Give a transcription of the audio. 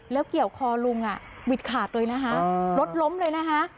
แล้วเกี่ยวคอลุงวิดขาดเลยนะคะรถล้มเลยนะคะ